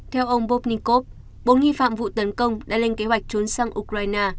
theo ông borpnikov bốn nghi phạm vụ tấn công đã lên kế hoạch trốn sang ukraine